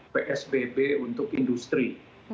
psbb untuk industri